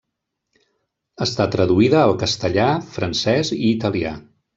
Està traduïda al castellà, francès i italià.